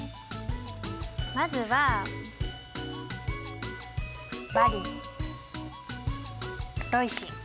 まずはバリンロイシン。